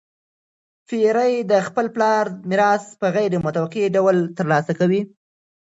پییر د خپل پلار میراث په غیر متوقع ډول ترلاسه کړ.